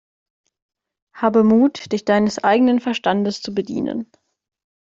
Habe Mut, dich deines eigenen Verstandes zu bedienen!